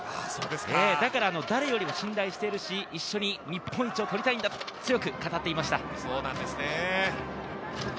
だから誰よりも信頼しているし、一緒に日本一をとりたいと強く語っていました。